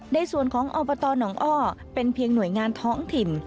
ในส่วนของอบตหนองอ้อเป็นเพียงหน่วยงานท้องถิ่น